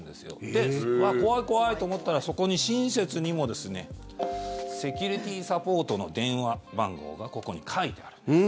で、怖い怖いと思ったらそこに親切にもセキュリティーサポートの電話番号がここに書いてあるんです。